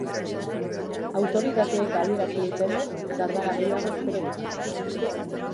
Autoritateek adierazi dutenez, dardara gehiago espero dira.